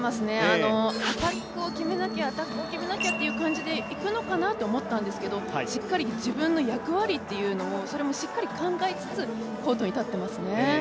アタックを決めなきゃ、アタックを決めなきゃという感じでいくのかなと思ったんですけど、しっかり自分の役割というのをそれもしっかり考えつつコートに立ってますね。